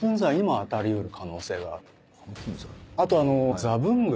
あと。